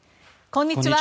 こんにちは。